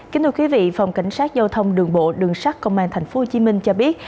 kính thưa quý vị phòng cảnh sát giao thông đường bộ đường sắt công an tp hcm cho biết